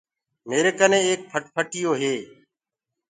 ميري ڪني ايڪ موٽر سيڪل هي۔